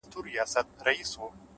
مثبت ذهن نوې دروازې ویني’